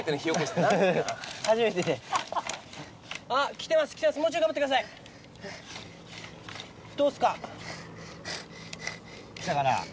来たかな？